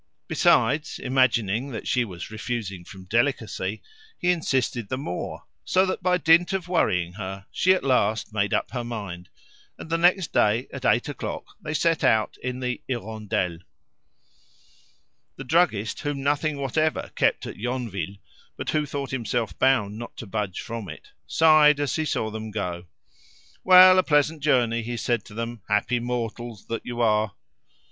Besides, imagining that she was refusing from delicacy, he insisted the more; so that by dint of worrying her she at last made up her mind, and the next day at eight o'clock they set out in the "Hirondelle." The druggist, whom nothing whatever kept at Yonville, but who thought himself bound not to budge from it, sighed as he saw them go. "Well, a pleasant journey!" he said to them; "happy mortals that you are!"